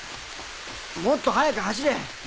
もっと速く走れ！